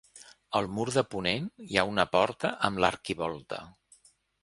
Al mur de ponent hi ha una porta amb l'arquivolta.